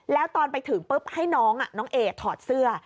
แล้วตอนไปถึงปุ๊บให้น้องน้องเอถอดเสื้อ